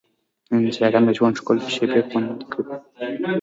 انسټاګرام د ژوند ښکلي شېبې خوندي کوي.